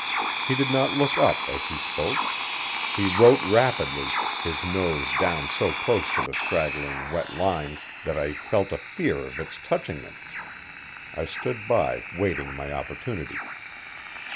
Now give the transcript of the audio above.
He did not look up as he spoke. He wrote rapidly, his nose down so close to the straggling, wet lines that I felt a fear of its touching them. I stood by, waiting my opportunity.